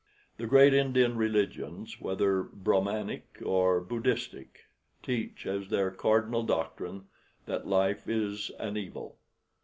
The great Indian religions, whether Brahmanic or Buddhistic, teach as their cardinal doctrine that life is an evil.